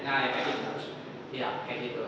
ya kayak gitu